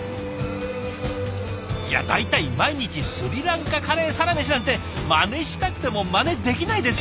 いや大体毎日スリランカカレーサラメシなんてマネしたくてもマネできないです。